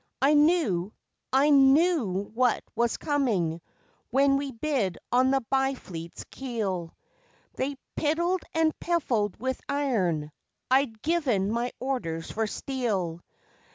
I knew I knew what was coming, when we bid on the Byfleet's keel. They piddled and piffled with iron: I'd given my orders for steel.